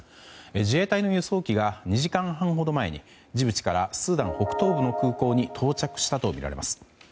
自衛隊の輸送機が２時間半ほど前にジブチからスーダン北東部の空港に到着したとみられます。